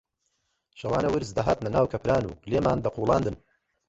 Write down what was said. شەوانە ورچ دەهاتنە ناو کەپران و لێمان دەقوولاندن